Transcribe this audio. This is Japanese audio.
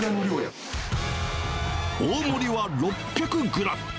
大盛りは６００グラム。